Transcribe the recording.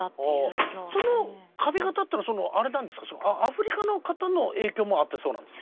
その髪形っていうのはアフリカの方の影響もあってそうなんですか？